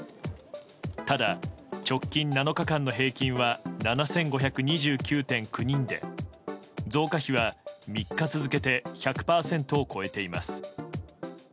ただ、直近７日間の平均は７５２９．９人で増加比は３日続けて１００％を超えています。